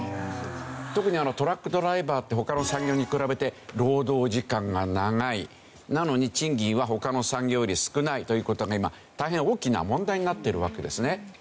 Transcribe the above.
特にトラックドライバーって他の産業に比べて労働時間が長いなのに賃金は他の産業より少ないという事が今大変大きな問題になっているわけですね。